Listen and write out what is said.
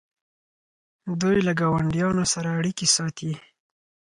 دوی له ګاونډیانو سره اړیکې ساتي.